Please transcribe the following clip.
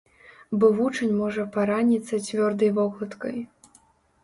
Бо вучань можа параніцца цвёрдай вокладкай.